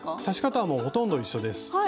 刺し方はもうほとんど一緒です。